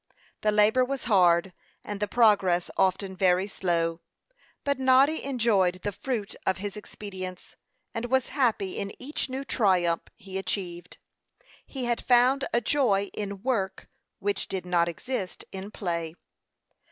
The labor was hard, and the progress often very slow; but Noddy enjoyed the fruit of his expedients, and was happy in each new triumph he achieved. He had found a joy in work which did not exist in play.